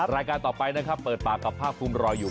รายการต่อไปนะครับเปิดปากกับภาคภูมิรออยู่